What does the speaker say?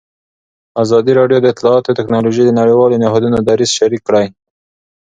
ازادي راډیو د اطلاعاتی تکنالوژي د نړیوالو نهادونو دریځ شریک کړی.